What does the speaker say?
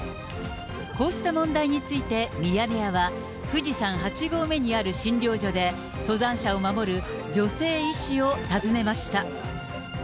こうした問題についてミヤネ屋は、富士山８合目にある診療所で、登山者を守る女性医師を訪ねました。